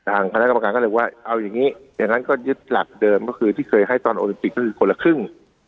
คณะกรรมการก็เลยว่าเอาอย่างนี้อย่างนั้นก็ยึดหลักเดิมก็คือที่เคยให้ตอนโอลิมปิกก็คือคนละครึ่ง